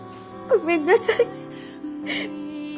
ごめんなさい。